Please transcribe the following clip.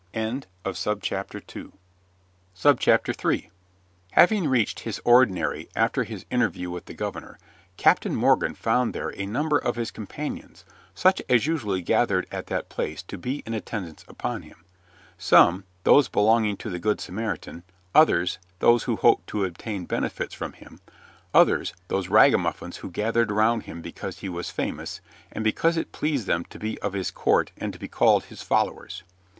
III Having reached his ordinary after his interview with the governor, Captain Morgan found there a number of his companions, such as usually gathered at that place to be in attendance upon him some, those belonging to the Good Samaritan; others, those who hoped to obtain benefits from him; others, those ragamuffins who gathered around him because he was famous, and because it pleased them to be of his court and to be called his followers.